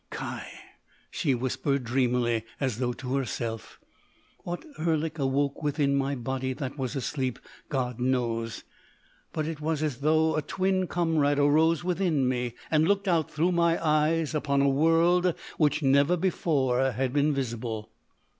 "Kai!" she whispered dreamily as though to herself—"what Erlik awoke within my body that was asleep, God knows, but it was as though a twin comrade arose within me and looked out through my eyes upon a world which never before had been visible."